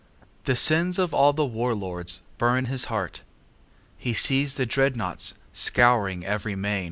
The sins of all the war lords burn his heart. He sees the dreadnaughts scouring every main.